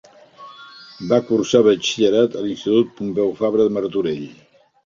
Va cursar Batxillerat a l'Institut Pompeu Fabra de Martorell.